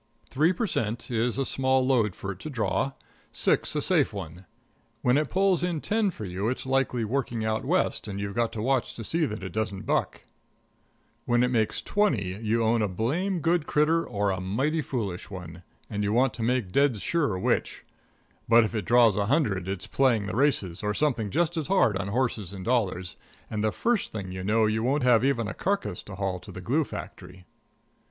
Three per cent. is a small load for it to draw; six, a safe one; when it pulls in ten for you it's likely working out West and you've got to watch to see that it doesn't buck; when it makes twenty you own a blame good critter or a mighty foolish one, and you want to make dead sure which; but if it draws a hundred it's playing the races or something just as hard on horses and dollars, and the first thing you know you won't have even a carcass to haul to the glue factory.